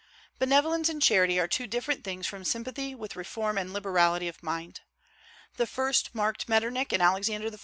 Benevolence and charity are two different things from sympathy with reform and liberality of mind. The first marked Metternich and Alexander I.